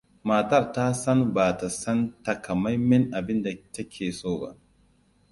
Matar ta san ba ta san takamaiman abinda ta ke so ba.